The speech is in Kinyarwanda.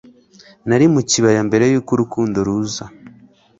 nari mu kibaya Mbere yuko urukundo ruza